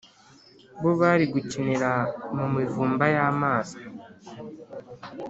bo bari gukinira mu mivumba y’amazi